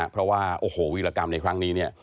เพราะว่าโอ้โหวิรกรรมในครั้งนี้เนี่ย